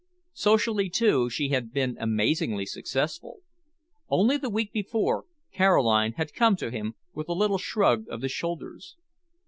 Socially, too, she had been amazingly successful. Only the week before, Caroline had come to him with a little shrug of the shoulders.